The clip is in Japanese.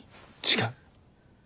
違う。